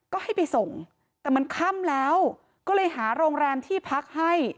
ก็ให้ไปส่งแต่มันค่ำแล้วก็เลยหาโรงแรมที่พักให้